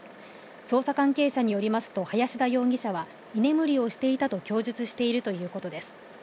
捜査関係者によりますと林田容疑者は居眠りをしていたと供述しているということです